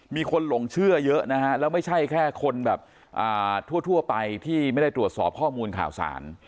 มีคนหลงเชื่อเยอะนะฮะแล้วไม่ใช่แค่คนแบบทั่วไปที่ไม่ได้ตรวจสอบข้อมูลข่าวสาร